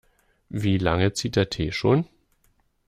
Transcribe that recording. Wie lange zieht der Tee schon?